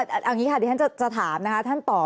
เอาอย่างนี้ค่ะดิฉันจะถามนะคะ